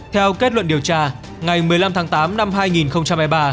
theo kết luận điều tra ngày một mươi năm tháng tám năm hai nghìn hai mươi ba